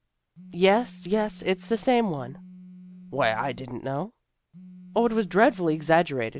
" Yes, yes, it's the same one." " Why, I didn't know." " O, it was dreadfully exaggerated.